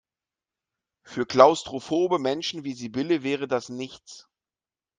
Für klaustrophobe Menschen wie Sibylle wäre das nichts.